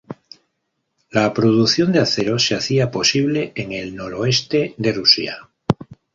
La producción de acero se hacía posible en el noroeste de Rusia.